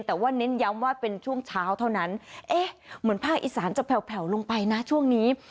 แต่ว่าเน้นย้ำว่าเป็นช่วงเช้าเท่านั้นเอ๊ะเหมือนภาคอีสานจะแผลวลงไปนะช่วงนี้